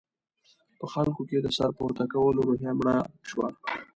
په خلکو کې د سر پورته کولو روحیه مړه شوه.